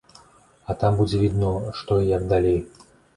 А там будзе відно, што і як далей.